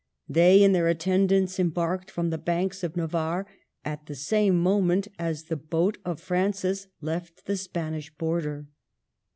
They and their attendants embarked from the banks of Navarre at the same moment as the boat of Francis left the Spanish border.